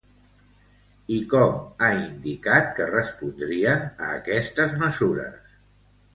I com ha indicat que respondrien a aquestes mesures?